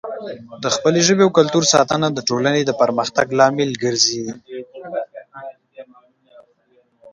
د خپلې ژبې او کلتور ساتنه د ټولنې د پرمختګ لامل ګرځي.